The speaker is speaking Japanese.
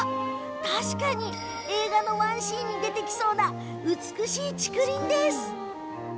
確かに映画のワンシーンに出てきそうな美しい竹林です。